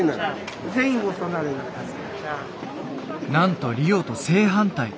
なんとリオと正反対。